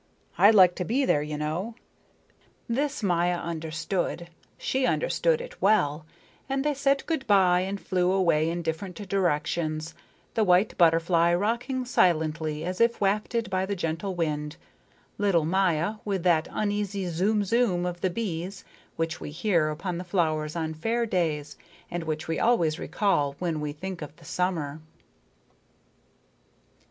I'd like to be there, you know." This Maya understood, she understood it well, and they said good by and flew away in different directions, the white butterfly rocking silently as if wafted by the gentle wind, little Maya with that uneasy zoom zoom of the bees which we hear upon the flowers on fair days and which we always recall when we think of the summer.